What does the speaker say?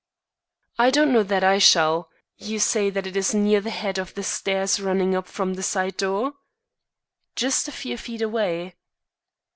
"I don't know that I shall. You say that it is near the head of the stairs running up from the side door?" "Just a few feet away."